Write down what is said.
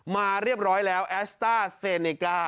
มาเรียบร้อยแล้วแอสต้าเซเนก้า